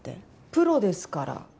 プロですから。